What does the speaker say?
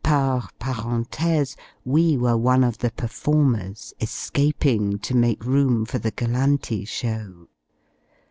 par parenthèse we were one of the performers, escaping, to make room for the Galanti show.